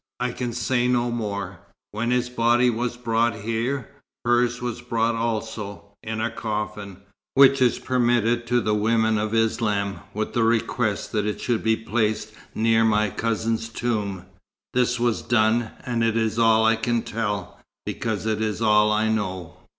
I can say no more. When his body was brought here, hers was brought also, in a coffin, which is permitted to the women of Islam, with the request that it should be placed near my cousin's tomb. This was done; and it is all I can tell, because it is all I know."